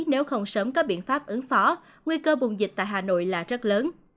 nếu không sớm có biện pháp ứng phó nguy cơ bùng dịch tại hà nội là rất lớn